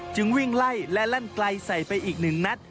วิ่งไล่และลั่นไกลใส่ไปอีกหนึ่งนัด